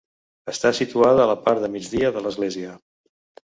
Està situada a la part de migdia de l'església.